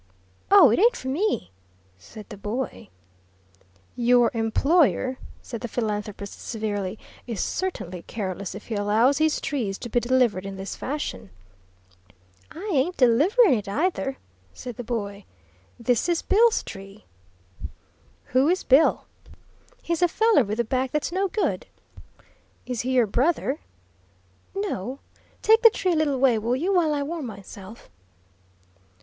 "Oh, it ain't for me!" said the boy. "Your employer," said the philanthropist, severely, "is certainly careless if he allows his trees to be delivered in this fashion." "I ain't deliverin' it, either," said the boy. "This is Bill's tree." "Who is Bill?" "He's a feller with a back that's no good." "Is he your brother?" "No. Take the tree a little way, will you, while I warm myself?"